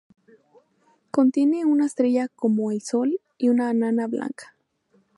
Contiene una estrella como el Sol y una enana blanca.